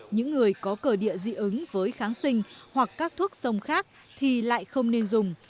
những người có cờ địa dị ứng với kháng sinh hoặc các thuốc sông khác thì lại không nên dùng